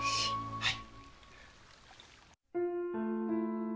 はい。